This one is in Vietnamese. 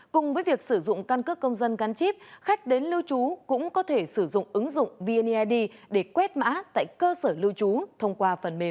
cùng với việc sử dụng căn cước công dân gắn chip khách đến lưu trú cũng có thể sử dụng ứng dụng vned để quét mã tại cơ sở lưu trú